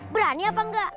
berani apa enggak